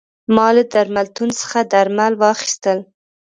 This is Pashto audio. ما له درملتون څخه درمل واخیستل.